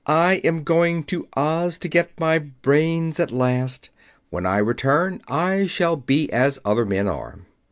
I am going to Oz to get my brains at last. When I return I shall be as other men are."